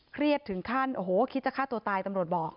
เครียดถึงขั้นโอ้โหคิดจะฆ่าตัวตายตำรวจบอก